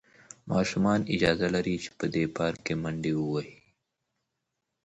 ماشومان اجازه لري چې په دې پارک کې منډې ووهي.